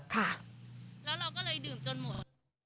ค่ะแล้วเราก็เลยดื่มจนหมด